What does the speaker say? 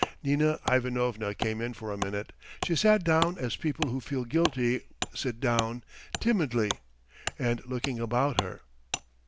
Nina Ivanovna came in for a minute; she sat down as people who feel guilty sit down, timidly, and looking about her.